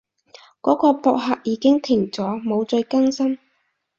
嗰個博客已經停咗，冇再更新